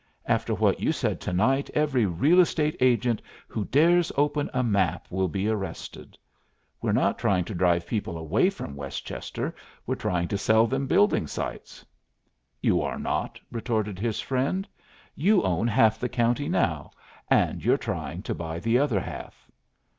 After what you said to night every real estate agent who dares open a map will be arrested. We're not trying to drive people away from Westchester, we're trying to sell them building sites." "You are not!" retorted his friend, "you own half the county now, and you're trying to buy the other half."